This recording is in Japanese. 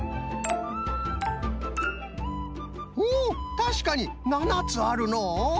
たしかに７つあるのう。